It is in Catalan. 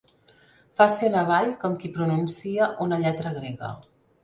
Faci anar avall, com qui pronuncia una lletra grega.